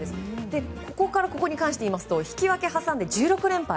ここからここに関して言いますと引き分け挟んで１６連敗。